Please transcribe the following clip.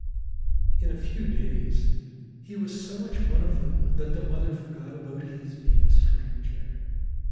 In a few days he was so much one of them that the mother forgot about his being a stranger.